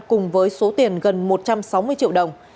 cùng với số tiền gần một trăm sáu mươi triệu đồng